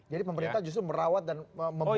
jadi pemerintah justru merawat dan membolehkan itu